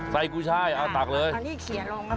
ไส้ผู้ชายเอาตักเลยครับ